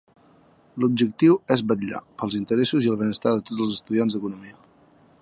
L'objectiu és vetllar pels interessos i el benestar de tots els estudiants d'economia.